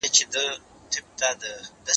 زه به اوږده موده د کتابتون پاکوالی کړی وم؟!